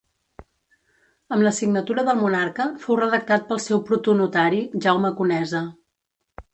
Amb la signatura del monarca, fou redactat pel seu protonotari, Jaume Conesa.